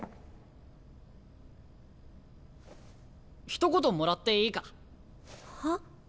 ひと言もらっていいか？は？